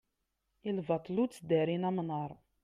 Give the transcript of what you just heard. i lbaṭel ur tteddarin amnaṛ